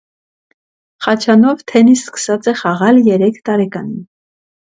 Խաչանով թենիս սկսած է խաղալ երեք տարեկանին։